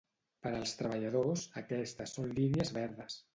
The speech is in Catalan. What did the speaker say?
Per als treballadors, aquestes són línies verdes.